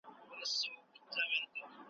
له آسمانه هاتف ږغ کړل چي احمقه .